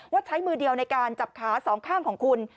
ใช้มือเดียวในการจับขาสองข้างของคุณ